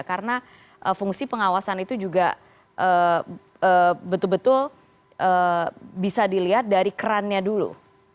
karena fungsi pengawasan itu juga betul betul bisa dilihat dari kerannya dulu